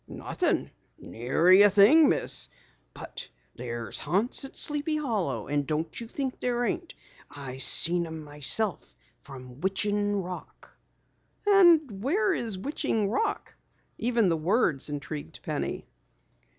"Nothin'. Nary a thing, Miss. But there's haunts at Sleepy Hollow and don't you think there ain't. I've seen 'em myself from Witching Rock." "And where is Witching Rock?" Even the words intrigued Penny.